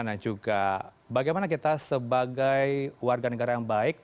nah juga bagaimana kita sebagai warga negara yang baik